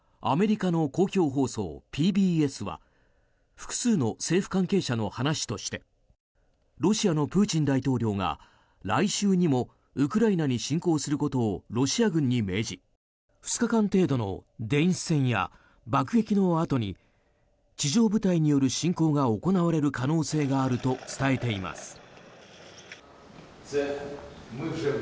アメリカの公共放送ＰＢＳは複数の政府関係者の話としてロシアのプーチン大統領が来週にもウクライナに侵攻することをロシア軍に命じ２日間程度の電子戦や爆撃のあとに地上部隊による侵攻が行われる可能性があると伝えています。